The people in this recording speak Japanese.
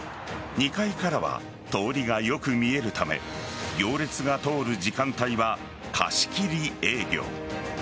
２階からは通りがよく見えるため行列が通る時間帯は貸し切り営業。